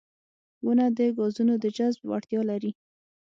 • ونه د ګازونو د جذب وړتیا لري.